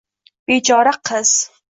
- Bechora qiz..